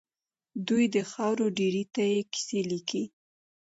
دوی د خاورو ډېري ته کيسې ليکي.